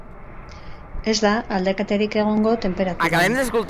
Ez da aldaketarik egongo tenperaturan.